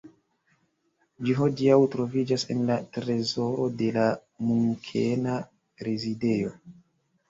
Ĝi hodiaŭ troviĝas en la trezoro de la Munkena Rezidejo.